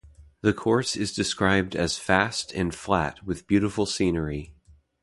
The course is described as fast and flat with beautiful scenery.